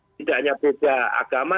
tidak hanya beda agama